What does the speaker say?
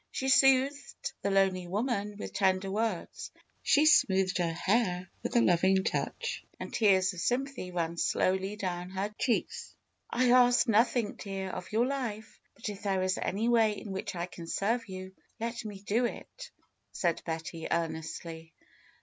She soothed the lonely woman with tender words; she smoothed her hair with a loving touch, and tears of sympathy ran slowly down her cheeks. ask nothing, dear, of your life ; but if there is any way in which I can serve you, let me do it,'^ said Betty, earnestly.